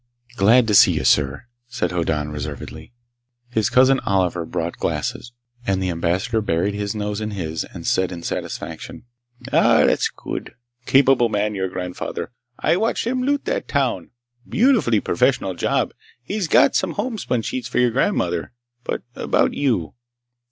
"Glad to see you, sir," said Hoddan reservedly. His Cousin Oliver brought glasses, and the Ambassador buried his nose in his and said in satisfaction: "A a ah! That's good! Capable man, your grandfather. I watched him loot that town. Beautifully professional job! He got some homespun sheets for your grandmother. But about you."